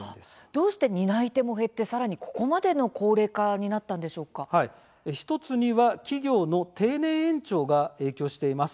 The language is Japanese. どうして担い手も減ってここまでの高齢化に１つには企業の定年延長が影響しています。